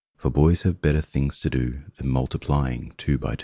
For boys have better things to do Than multiplying two by two!